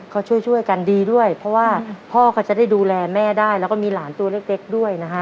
ก็ช่วยช่วยกันดีด้วยเพราะว่าพ่อก็จะได้ดูแลแม่ได้แล้วก็มีหลานตัวเล็กด้วยนะฮะ